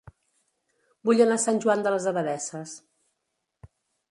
Vull anar a Sant Joan de les Abadesses